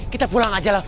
kita pulang aja lho